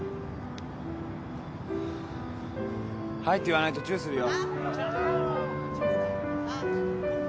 はいって言わないとチューするよ。